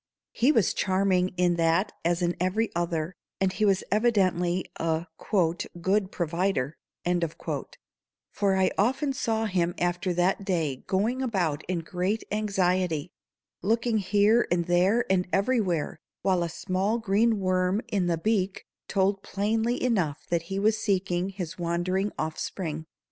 He was charming in that as in every other, and he was evidently a "good provider," for I often saw him after that day going about in great anxiety, looking here and there and everywhere, while a small green worm in the beak told plainly enough that he was seeking his wandering offspring.